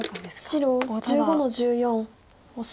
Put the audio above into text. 白１５の十四オシ。